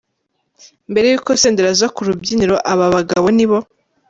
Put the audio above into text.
Mbere yuko Senderi aza ku rubyiniro aba bagabo nibo.